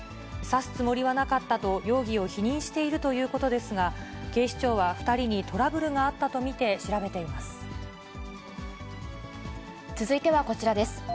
刺すつもりはなかったと、容疑を否認しているということですが、警視庁は２人にトラブルが続いてはこちらです。